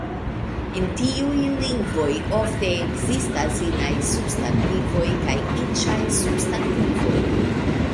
En tiuj lingvoj, ofte ekzistas inaj substantivoj kaj iĉaj substantivoj.